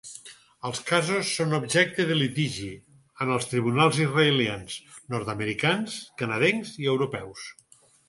Els casos són objecte de litigi en els tribunals israelians, nord-americans, canadencs i europeus.